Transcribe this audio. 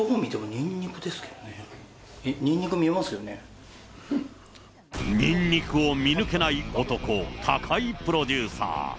ニンニクを見抜けない男、高井プロデューサー。